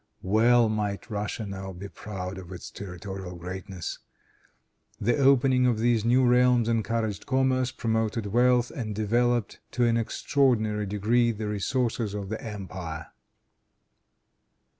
Well might Russia now be proud of its territorial greatness. The opening of these new realms encouraged commerce, promoted wealth, and developed to an extraordinary degree the resources of the empire.